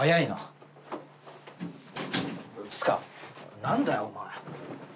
つうか何だよお前。